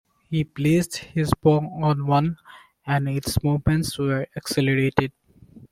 He placed his paw on one, and its movements were accelerated.